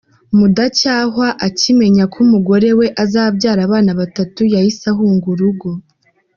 Mudacyahwa akimenya ko umugore we azabyara abana batatu yahise ahunga urugo